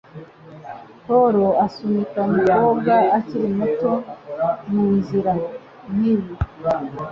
Paul, asunika umukobwa ukiri muto munzira nkiyi!